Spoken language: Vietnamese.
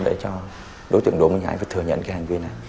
để cho đối tượng đỗ minh hải phải thừa nhận hành viên án